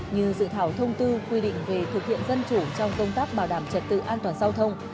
như dự thảo thông tư quy định về thực hiện dân chủ trong công tác bảo đảm trật tự an toàn giao thông